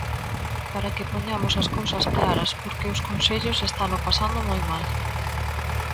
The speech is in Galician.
Para que poñamos as cousas claras, porque os concellos estano pasando moi mal.